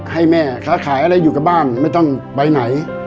ให้แม่ค้าขายอะไรอยู่กับบ้านไม่ต้องไปไหน